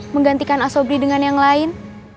menggantikan asobri dengan yang lain